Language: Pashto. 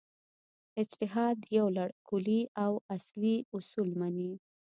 اجتهاد یو لړ کُلي او اصلي اصول مني.